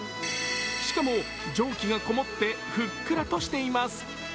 しかも蒸気がこもって、ふっくらとしています。